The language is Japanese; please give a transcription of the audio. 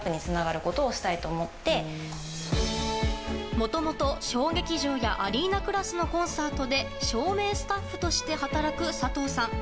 もともと小劇場やアリーナクラスのコンサートで照明スタッフとして働く佐藤さん。